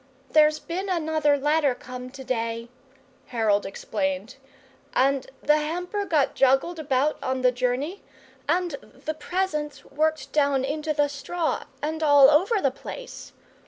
"There's bin another letter come to day," Harold explained, "and the hamper got joggled about on the journey, and the presents worked down into the straw and all over the place.